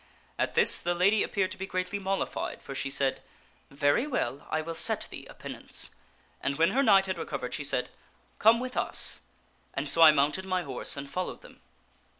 At this the lady appeared to be greatly mollified, for she said, ' Very well, I will set thee a penance/ and when her knight had recovered she said, ' Come with us/ and so I mounted my horse and followed them.